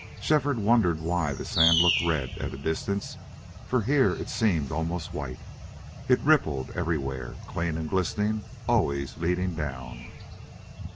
Shefford wondered why the sand looked red at a distance, for here it seemed almost white. It rippled everywhere, clean and glistening, always leading down.